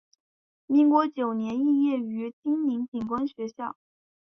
民国九年肄业于金陵警官学校。